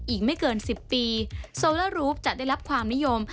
อีกไม่เกิน๑๐ปีโซเลอรูปจะได้รับความนิยม